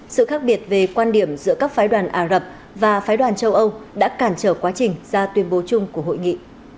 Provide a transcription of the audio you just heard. sự khác biệt về quan điểm giữa các phái đoàn ả rập và phái đoàn châu âu đã cản trở quá trình ra tuyên bố chung của hội nghị